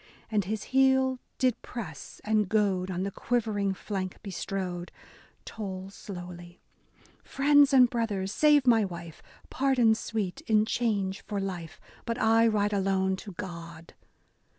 And his heel did press and goad on the quiver ing flank bestrode, — Toll slowly, "Friends and brothers, save my wife !— Pardon sweet, in change for life, — But I ride alone to God.